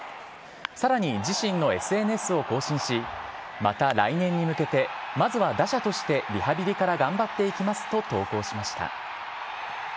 さらに自身のＳＮＳを更新し、また来年に向けて、まずは打者としてリハビリから頑張っていきますと投稿しました。